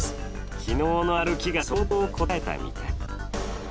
昨日の歩きが相当こたえたみたい。